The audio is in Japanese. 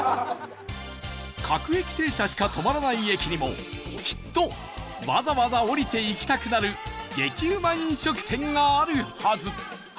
各駅停車しか止まらない駅にもきっと、わざわざ降りて行きたくなる激うま飲食店があるはず